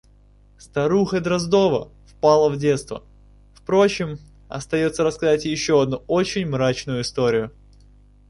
Старуха Дроздова впала в детство… Впрочем, остается рассказать еще одну очень мрачную историю.